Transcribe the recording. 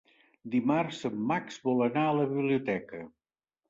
Dimarts en Max vol anar a la biblioteca.